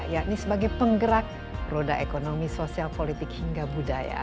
yakni sebagai penggerak roda ekonomi sosial politik hingga budaya